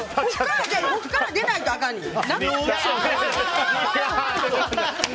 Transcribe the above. ここから出ないとあかんねん。